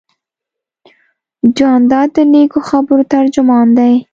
جانداد د نیکو خبرو ترجمان دی.